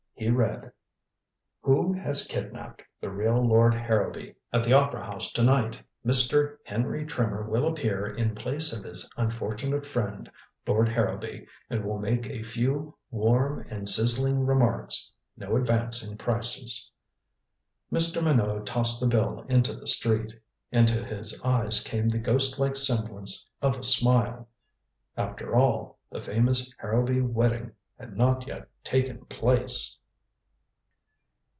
He read: WHO HAS KIDNAPED THE REAL LORD HARROWBY? AT THE OPERA HOUSE TO NIGHT!! Mr. Henry Trimmer Will Appear in Place of His Unfortunate Friend, Lord Harrowby, and Will Make a Few WARM AND SIZZLING REMARKS. NO ADVANCE IN PRICES. Mr. Minot tossed the bill into the street. Into his eyes came the ghostlike semblance of a smile. After all, the famous Harrowby wedding had not yet taken place.